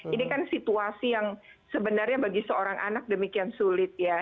ini kan situasi yang sebenarnya bagi seorang anak demikian sulit ya